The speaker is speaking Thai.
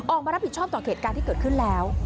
ออกมารับผิดชอบต่อเหตุการณ์ที่เกิดขึ้นแล้ว